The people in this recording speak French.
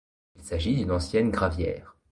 Il s'agit d'une ancienne gravière.